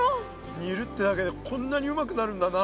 煮るってだけでこんなにうまくなるんだな。